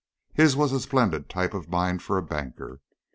His was a splendid type of mind for a banker.